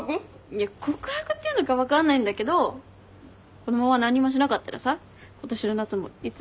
いや告白っていうのか分かんないんだけどこのまま何にもしなかったらさ今年の夏もいつもと一緒じゃん。